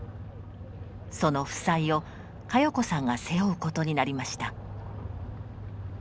その負債を佳世子さんが背負うことになりました。